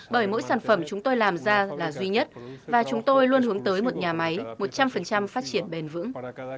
bởi mỗi sản phẩm chúng tôi làm ra là duy nhất và chúng tôi luôn hướng tới một nhà máy một trăm linh phát triển bền vững